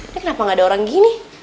kenapa gak ada orang gini